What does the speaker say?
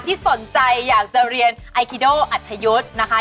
ที่สนใจอยากจะเรียนไอคิโดอัธยศนะคะ